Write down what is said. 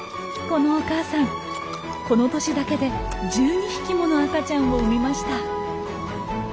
この年だけで１２匹もの赤ちゃんを産みました。